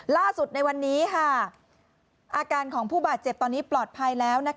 ล่าสุดในวันนี้อาการของผู้บาดเจ็บตอนนี้ปลอดภัยแล้ว